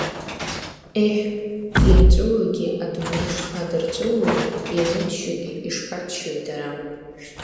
Еҳ, ианҵәуогьы адунеи шԥадырҵәуои, ианыччогьы ишԥаччои дара!